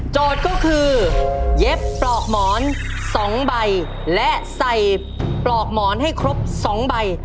ก็คือเย็บปลอกหมอน๒ใบและใส่ปลอกหมอนให้ครบ๒ใบ